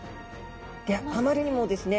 であまりにもですね